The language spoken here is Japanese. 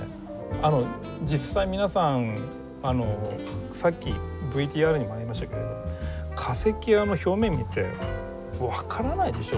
あの実際皆さんさっきＶＴＲにもありましたけれど化石あの表面見て分からないでしょ。